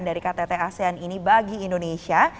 dari ktt asean ini bagi indonesia